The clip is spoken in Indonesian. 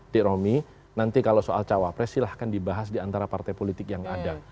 tik romi nanti kalau soal cawapres silahkan dibahas diantara partai politik yang ada